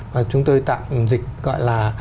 và chúng tôi tạo dịch gọi là